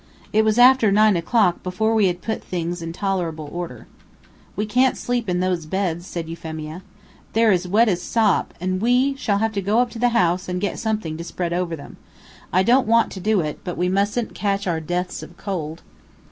It was after nine o'clock before we had put things into tolerable order. "We can't sleep in those beds," said Euphemia. "They're as wet as sop, and we shall have to go up to the house and get something to spread over them. I don't want to do it, but we mustn't catch our deaths of cold."